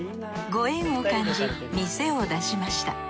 ご縁を感じ店を出しました